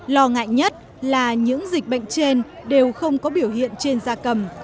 lo ngại nhất là những dịch bệnh trên đều không có biểu hiện trên da cầm